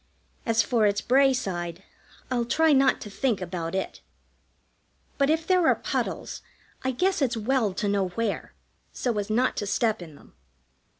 As for its Bray side, I'll try not to think about it; but if there are puddles, I guess it's well to know where, so as not to step in them.